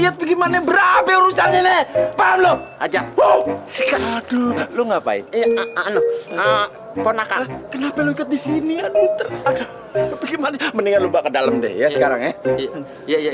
ngajak lu ngapain kenapa lu ikat di sini mendingan lu ke dalam deh ya sekarang ya iya